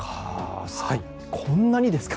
こんなにですか？